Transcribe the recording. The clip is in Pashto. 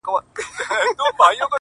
دا ستا د سترگو په كتاب كي گراني .